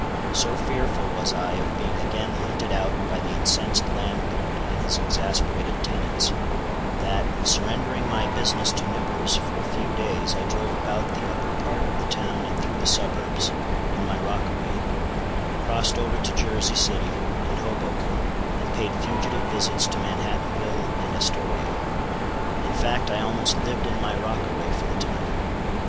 So fearful was I of being again hunted out by the incensed landlord and his exasperated tenants, that, surrendering my business to Nippers, for a few days I drove about the upper part of the town and through the suburbs, in my rockaway; crossed over to Jersey City and Hoboken, and paid fugitive visits to Manhattanville and Astoria. In fact I almost lived in my rockaway for the time.